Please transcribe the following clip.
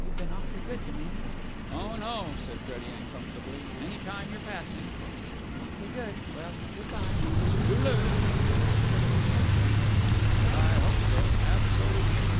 You've been awfully good to me." "Oh, no," said Freddie uncomfortably. "Any time you're passing...." "Awfully good.... Well, good bye." "Toodle oo!" "Maybe we'll meet again some day." "I hope so. Absolutely!"